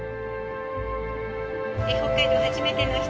北海道初めての人。